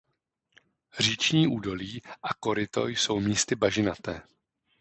Říční údolí a koryto jsou místy bažinaté.